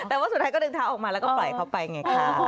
แต่ว่าสุดท้ายก็ดึงเท้าออกมาแล้วก็ปล่อยเขาไปไงค่ะ